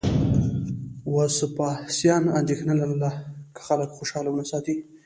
وسپاسیان اندېښنه لرله که خلک خوشاله ونه ساتي